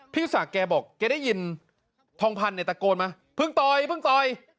พี่ศักดิ์แกบอกแกได้ยินทองพันธ์เนี่ยตะโกนมาเพิ่งต่อยเพิ่งต่อย